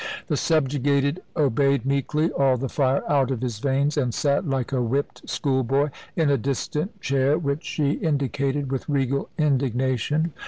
The subjugated obeyed meekly, all the fire out of his veins, and sat like a whipped schoolboy in a distant chair, which she indicated with regal indignation.